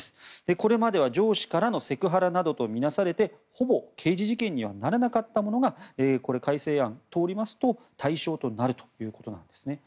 これまでは上司からのセクハラなどと見なされてほぼ刑事事件にはならなかったものが改正案が通りますと対象となるということなんですね。